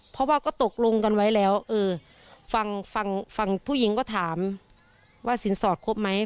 เพราะว่าก็ตกลงกันไว้แล้วเออฟังฟังผู้หญิงก็ถามว่าสินสอดครบไหม